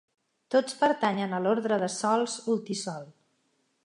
Tots pertanyen a l'ordre de sòls ultisol.